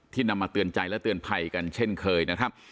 นำมาเตือนใจและเตือนภัยกันเช่นเคยนะครับ